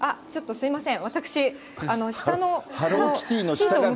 すみません。